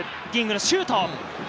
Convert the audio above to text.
ディエングのシュート。